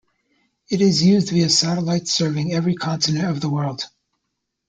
It is used via satellites serving every continent of the world.